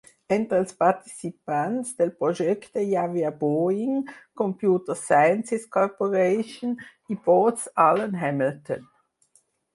Entre els participants del projecte hi havia Boeing, Computer Sciences Corporation i Booz Allen Hamilton.